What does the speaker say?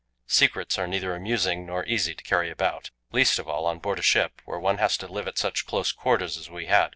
Secrets are neither amusing nor easy to carry about least of all on board a ship, where one has to live at such close quarters as we had.